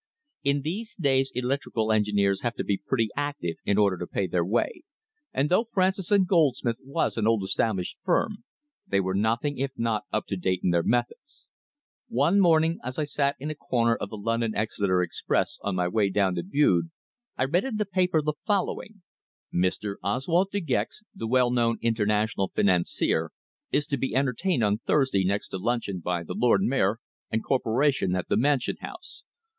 In these days electrical engineers have to be pretty active in order to pay their way, and though Francis and Goldsmith was an old established firm, they were nothing if not up to date in their methods. One morning as I sat in a corner of the London Exeter express on my way down to Bude, I read in my paper the following: "Mr. Oswald De Gex, the well known international financier, is to be entertained on Thursday next to luncheon by the Lord Mayor and Corporation at the Mansion House.